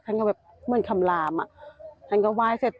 ท่านก็แบบเหมือนคำลามอ่ะท่านก็ไหว้เสร็จ